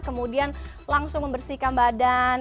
kemudian langsung membersihkan badan